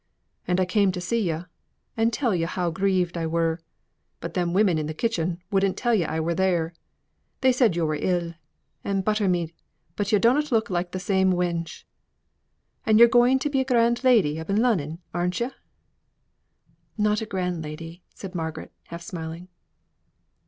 And I came to see yo', and tell yo' how grieved I were, but them women in th' kitchen wouldn't tell yo' I were there. They said yo' were ill, and butter me, but yo' dunnot look like the same wench. And yo're going to be a grand lady up i' Lunnon, aren't yo'?" "Not a grand lady," said Margaret, half smiling.